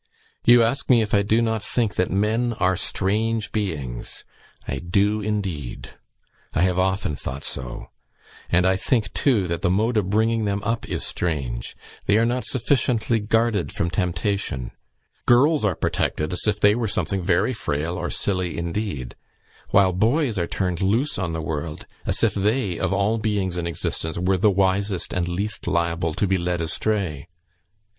You ask me if I do not think that men are strange beings? I do, indeed. I have often thought so; and I think, too, that the mode of bringing them up is strange: they are not sufficiently guarded from temptation. Girls are protected as if they were something very frail or silly indeed, while boys are turned loose on the world, as if they, of all beings in existence, were the wisest and least liable to be led astray.